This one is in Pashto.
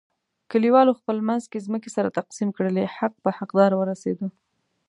کلیوالو خپل منځ کې ځمکې سره تقسیم کړلې، حق په حق دار ورسیدا.